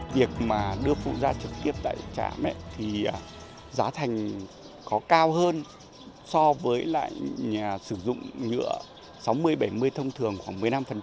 việc mà đưa phụ ra trực tiếp tại trạm thì giá thành có cao hơn so với lại sử dụng nhựa sáu mươi bảy mươi thông thường khoảng một mươi năm